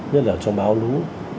nhất là trong báo lũ